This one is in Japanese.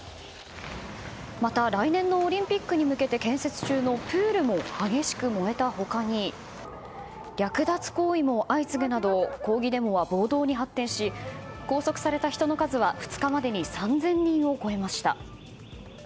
また、来年のオリンピックに向けて建設中のプールも激しく燃えた他に略奪行為も相次ぐなど抗議デモは暴動に発展し拘束された人の数は２日までに３０００人を超えました。